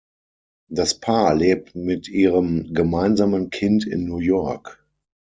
Das Paar lebt mit ihrem gemeinsamen Kind in New York.